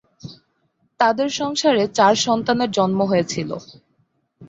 তাদের সংসারে চার সন্তানের জন্ম হয়েছিল।